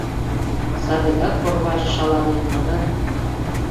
Садыгак орваже шаланен, манат.